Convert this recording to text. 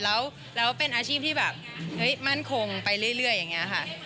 แล้วเป็นอาชีพที่แบบมั่นคงไปเรื่อยอย่างนี้ค่ะ